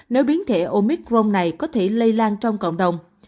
nếu biến thể omicron này có thể lây lan trong cộng đồng